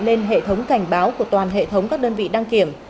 lên hệ thống cảnh báo của toàn hệ thống các đơn vị đăng kiểm